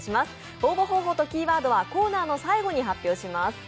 応募方法とキーワードはコーナーの最後に発表します。